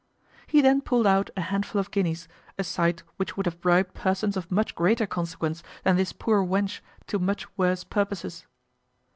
He then pulled out a handful of guineas, a sight which would have bribed persons of much greater consequence than this poor wench to much worse purposes.